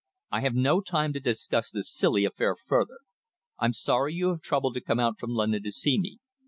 "I have no time to discuss this silly affair further. I'm sorry you have troubled to come out from London to see me.